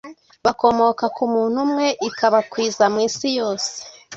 bakomoka ku muntu umwe, ibakwiza mu isi yose.”